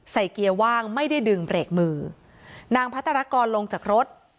เกียร์ว่างไม่ได้ดึงเบรกมือนางพัฒนากรลงจากรถ